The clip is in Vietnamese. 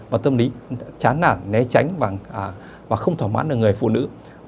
và tâm lý chán nản né tránh và không thỏa mãn được người phụ nữ